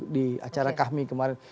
di acara kami kemarin